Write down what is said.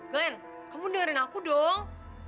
ken kamu dengerin aku dong